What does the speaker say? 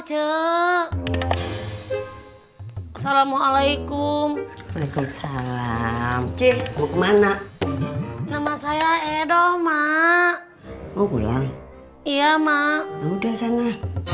assalamualaikum waalaikumsalam cik mau kemana nama saya edo ma mau pulang iya ma udah sana